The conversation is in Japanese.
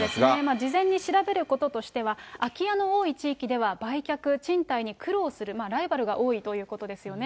事前に調べることとしては、空き家の多い地域では、売却、賃貸に苦労する、ライバルが多いということですよね。